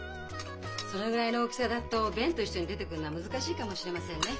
そのぐらいの大きさだと便と一緒に出てくるのは難しいかもしれませんね。